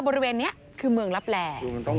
บริเวณนี้คือเมืองลับแหล่